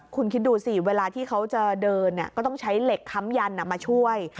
คุณคิดดูสิเวลาที่เขาจะเดินก็ต้องใช้เหล็กค้ำยันมาช่วย